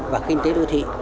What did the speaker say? và kinh tế đô thị